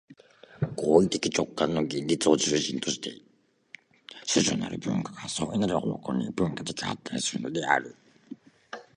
行為的直観の現実を中心として種々なる文化が相異なる方向に分化発展するのである。